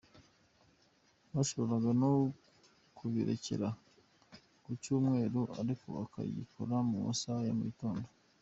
Bashobora no kubirekera ku cyumweru ariko bakagikora mu masaha ya mu gitondo.